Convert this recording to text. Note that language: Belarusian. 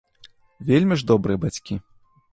Вельмі ж добрыя бацькі.